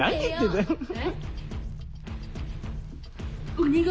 鬼瓦。